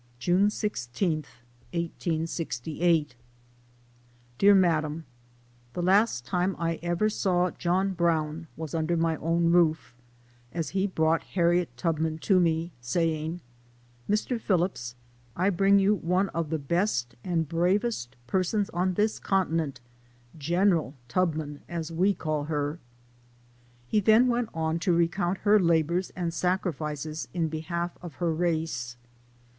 JUNE 16, 1868. DEAR MADAME : The last time I ever saw John Brown was under my own roof, as he brought Harriet Tubman to me, saying :" Mr. Phillips, I bring you one of the best and bravest persons on this continent Cr finer cil Tubman, as we call her." 6 PREFACE. He then went on to recount her labors and sacri fices in behalf of her race.